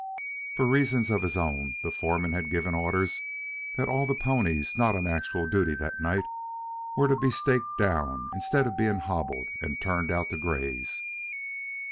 For reasons of his own the foreman had given orders that all the ponies not on actual duty, that night, were to be staked down instead of being hobbled and turned out to graze.